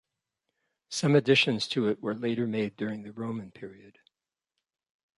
Some additions to it were later made during the Roman period.